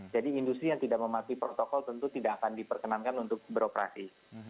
jadi industri yang tidak mematuhi protokol tentu tidak akan diperkenankan untuk beroperasi